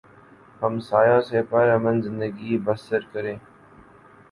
ہمسایوں سے پر امن زندگی بسر کریں